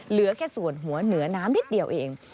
เหลือแค่ส่วนหัวเหนือน้ำนิดเดียวเอง